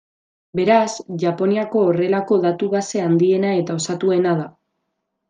Beraz, Japoniako horrelako datu-base handiena eta osatuena da.